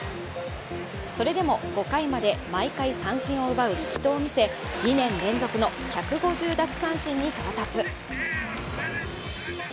それでも５回まで毎回三振を奪う力投を見せ２年連続の１５０奪三振に到達。